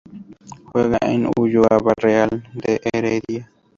Juega en Ulloa Barreal de Heredia.